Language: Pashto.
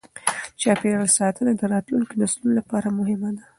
چاپیریال ساتنه د راتلونکې نسلونو لپاره مهمه ده.